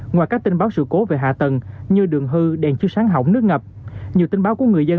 ngoài các tin báo sự cố về hạ tầng như đường hư đèn chiếu sáng hỏng nước ngập nhiều tin báo của người dân